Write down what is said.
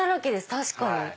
確かに。